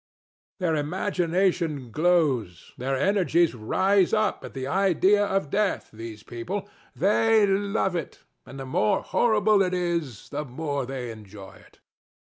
Their imagination glows, their energies rise up at the idea of death, these people: they love it; and the more horrible it is the more they enjoy it.